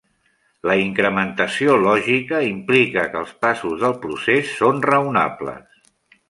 La incrementació lògica implica que els passos del procés són raonables.